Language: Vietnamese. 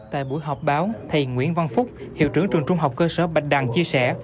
tại buổi họp báo thầy nguyễn văn phúc hiệu trưởng trường trung học cơ sở bạch đằng chia sẻ